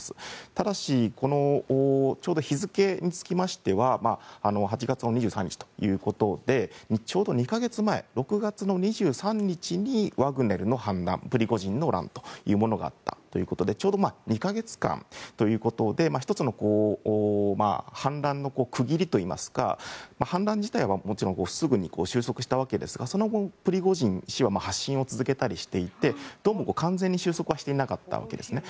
ただし、日付につきましては８月の２３日ということでちょうど２か月前６月２３日にワグネルの反乱プリゴジンの乱というのがあったということでちょうど２か月間ということで１つの反乱の区切りといいますか反乱自体はもちろんすぐに収束したわけですがその後、プリゴジン氏は発信を続けたりしていてどうも完全に収束はしていなかったわけですね。